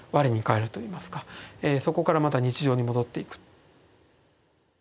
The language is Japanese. そこからまた日常に戻っていく。